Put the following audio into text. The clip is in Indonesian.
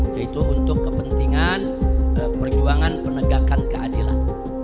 yaitu untuk kepentingan perjuangan penegakan keadilan